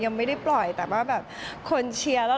ยังไม่ได้ปล่อยแต่ว่าแบบคนเชียร์แล้ว